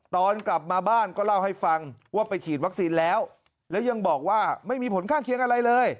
ตอนกลับมาบ้านก็เล่าให้ฟังว่าไปฉีดวัคซีนแล้วแล้วยังบอกว่าไม่มีผลข้างเคียงอะไรเลย